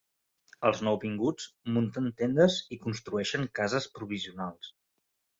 Els nouvinguts munten tendes i construeixen cases provisionals.